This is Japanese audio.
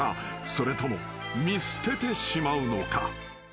それとも見捨ててしまうのか？］